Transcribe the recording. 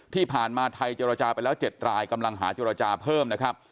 ที่ผ่านมาไทยเจรจาไปแล้ว๗รายกำลังหาเจรจาเพิ่มนะครับ